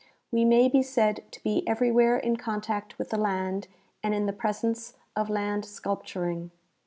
We may be said to be everywhere in contact with the land and in the presence of land sculpturing.